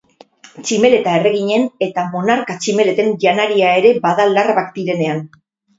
Tximeleta Erreginen eta Monarka Tximeleten janaria ere bada larbak direnean.